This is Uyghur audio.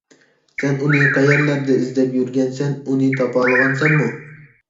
سەن ئۇنى قەيەرلەردە ئىزدەپ يۈرگەنسەن، ئۇنى تاپالىغانسەنمۇ؟